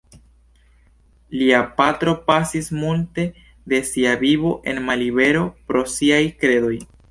Lia patro pasis multe de sia vivo en mallibero pro siaj kredoj.